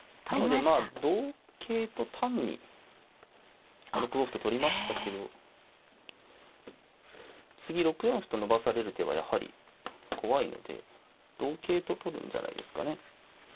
なのでまあ同桂と単に６五歩と取りましたけど次６四歩と伸ばされる手はやはり怖いので同桂と取るんじゃないですかね。